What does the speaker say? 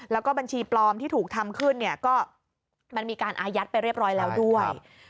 แล้วก็บัญชีปลอมที่ถูกทำขึ้นเนี่ยก็มันมีการอายัดไปเรียบร้อยแล้วด้วย